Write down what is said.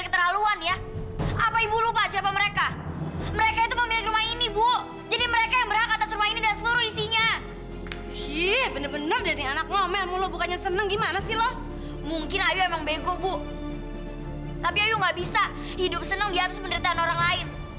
tapi ayu gak bisa hidup seneng diatas penderitaan orang lain